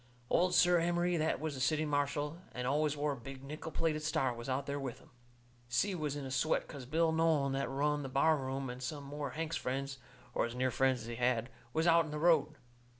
Old Si Emery, that was the city marshal, and always wore a big nickel plated star, was out there with 'em. Si was in a sweat, 'cause Bill Nolan, that run the bar room, and some more of Hank's friends, or as near friends as he had, was out in the road.